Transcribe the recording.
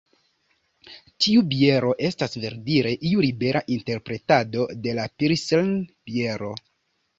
Tiu biero estas verdire iu libera interpretado de la Pilsner-biero.